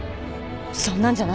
そんなんじゃない。